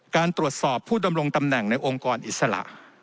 การตรวจสอบผู้ดำรงตำแหน่งในองค์กรอิสระ